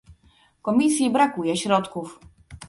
Komisji brakuje środków